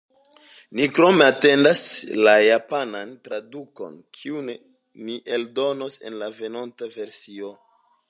Ni krome atendas la japanan tradukon, kiun ni eldonos en la venonta versio.